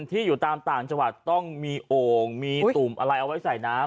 ที่อยู่ตามต่างจังหวัดต้องมีโอ่งมีตุ่มอะไรเอาไว้ใส่น้ำ